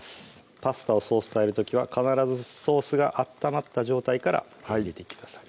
パスタをソースとあえる時は必ずソースが温まった状態から入れていってください